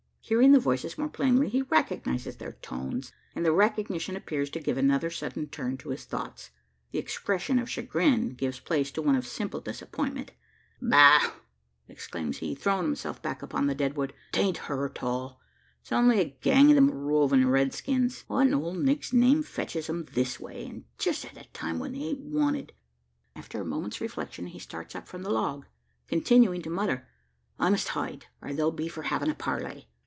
Hearing the voices more plainly, he recognises their tones; and the recognition appears to give another sudden turn to his thoughts. The expression of chagrin gives place to one of simple disappointment. "Bah!" exclaims he, throwing himself back upon the dead wood. "It ain't her, after all! It's only a gang o' them rovin' red skins. What, in Old Nick's name, fetches 'em this way, an' jest at the time when they ain't wanted?" After a moment's reflection, he starts up from the log, continuing to mutter: "I must hide, or they'll be for havin' a parley.